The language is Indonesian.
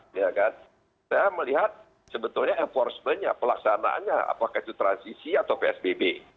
saya melihat sebetulnya enforcement nya pelaksanaannya apakah itu transisi atau psbb